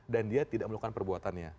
dan dia tidak melakukan perbuatannya